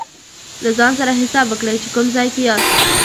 له ځان سره حساب وکړئ چې کوم ځای کې یاست.